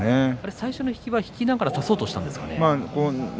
最初の引きは、引きながら差そうとしたんですかね。